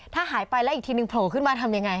ถ้าหายไปแล้วอีกทีนึงโผล่ขึ้นมาทำยังไง